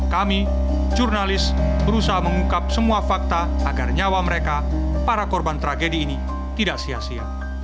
kami jurnalis berusaha mengungkap semua fakta agar nyawa mereka para korban tragedi ini tidak sia sia